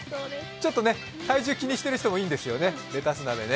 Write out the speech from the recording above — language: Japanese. ちょっと体重気にしている人もレタス鍋いいんですよね。